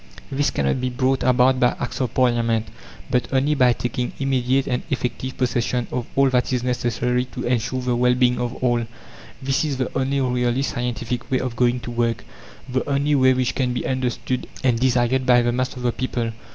This cannot be brought about by Acts of Parliament, but only by taking immediate and effective possession of all that is necessary to ensure the well being of all; this is the only really scientific way of going to work, the only way which can be understood and desired by the mass of the people.